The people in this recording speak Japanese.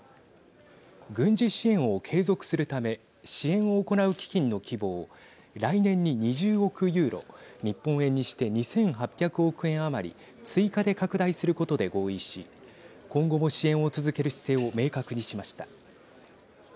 軍事支援を継続するため支援を行う基金の規模を来年に２０億ユーロ日本円にして２８００億円余り追加で拡大することで合意し今後も支援を続ける姿勢を明確にしました。